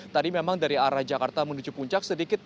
tadi memang dari arah jakarta menuju puncak sedikit